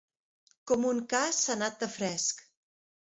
Com un ca sanat de fresc.